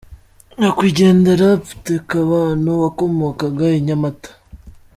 – Nyakwigendera PteKabano wakomokaga I Nyamata.